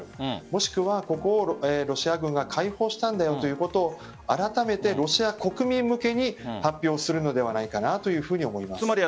もしくはここをロシア軍が解放したんだよということをあらためてロシア国民向けに発表するのではないかなというふうに思います。